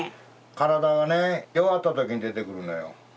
体がね弱った時に出てくるのよ。